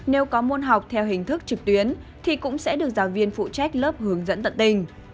nếu có môn học theo hình thức trực tuyến thì cũng sẽ được giáo viên phụ trách lớp hướng dẫn tận tình